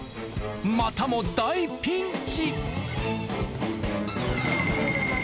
またも大ピンチ！